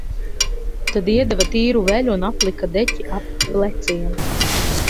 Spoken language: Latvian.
Tad iedeva tīru veļu un aplika deķi ap pleciem.